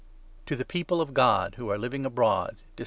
To the People of God who are living abroad, dis Greeting.